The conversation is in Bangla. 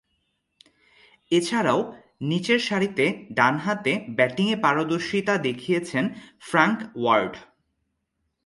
এছাড়াও, নিচেরসারিতে ডানহাতে ব্যাটিংয়ে পারদর্শীতা দেখিয়েছেন ফ্রাঙ্ক ওয়ার্ড।